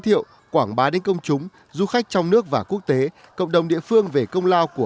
thiệu quảng bá đến công chúng du khách trong nước và quốc tế cộng đồng địa phương về công lao của